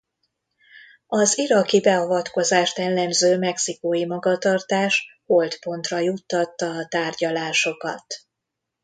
Az iraki beavatkozást ellenző mexikói magatartás holtpontra juttatta a tárgyalásokat.